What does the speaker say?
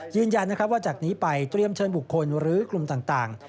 ยืนยันนะครับว่าจากนี้ไปเตรียมเชิญบุคคลหรือกลุ่มต่าง